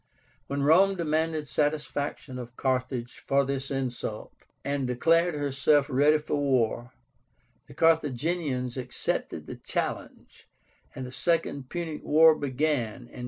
When Rome demanded satisfaction of Carthage for this insult, and declared herself ready for war, the Carthaginians accepted the challenge, and the Second Punic War began in 218.